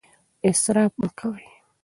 اسراف مه کوئ.